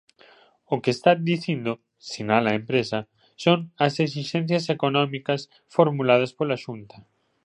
O que está "dicindo", sinala a empresa, son "as esixencias económicas" formuladas pola Xunta.